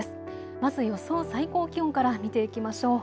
まず予想最高気温から見ていきましょう。